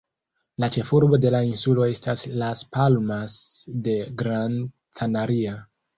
La ĉefurbo de la insulo estas Las Palmas de Gran Canaria.